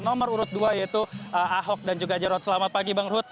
nomor urut dua yaitu ahok dan juga jarod selamat pagi bang ruhut